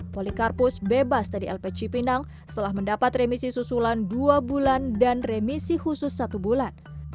polikarpus bebas dari lp cipinang setelah mendapat remisi susulan dua bulan dan remisi khusus satu bulan